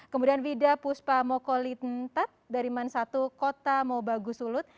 kemudian wida puspa mokolintat dari mansatu kota mobagusulut